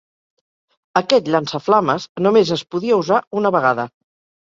Aquest llançaflames només es podia usar una vegada.